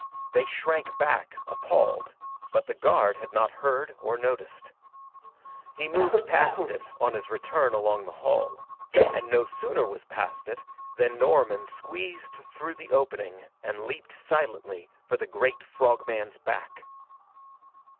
They shrank back, appalled, but the guard had not heard or noticed. He moved past it on his return along the hall, and no sooner was past it than Norman squeezed through the opening and leaped silently for the great frog man's back.